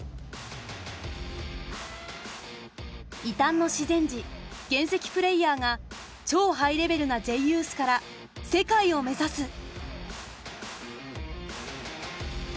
「異端の自然児『原石』プレーヤーが超ハイレベルな『Ｊユース』から『世界』を目指す！」。